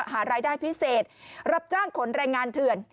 หารายได้พิเศษรับจ้างขนแรงงานเถื่อน